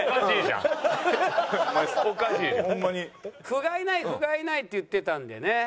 「ふがいないふがいない」って言ってたんでね